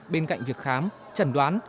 bên cạnh việc khám trần đoán